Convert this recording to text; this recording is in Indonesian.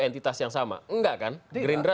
entitas yang sama enggak kan gerindra